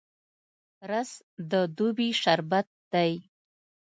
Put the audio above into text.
رس د دوبي شربت دی